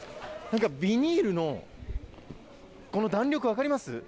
なんかビニールの、この弾力、分かります？